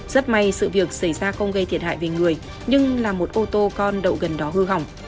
rất may sự việc xảy ra không gây thiệt hại về người nhưng là một ô tô con đậu gần đó hư hỏng